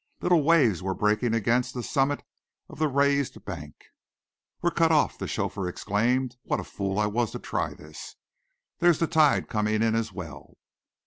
Little waves were breaking against the summit of the raised bank. "We're cut off!" the chauffeur exclaimed. "What a fool I was to try this! There's the tide coming in as well!"